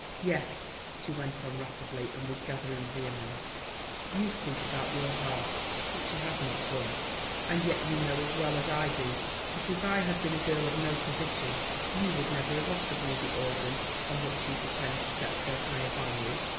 "Yes," she went on rapidly and with gathering vehemence, "you speak about your heart"—which he had not done—"and yet you know as well as I do that if I had been a girl of no position you would never have offered me the organ on which you pretend to set so high a value.